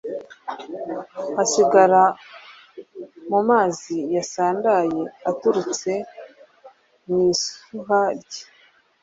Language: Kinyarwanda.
hasigara mu mazi yasandaye aturutse mu isuha rye